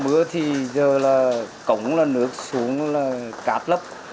mưa thì giờ là cổng là nước xuống là cát lấp